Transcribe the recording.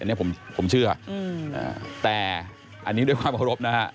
อันนี้ผมเชื่อแต่อันนี้ด้วยความเคารพนะฮะ